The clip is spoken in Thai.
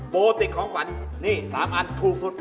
โบติกของขวัญนี่๓อันถูกสุด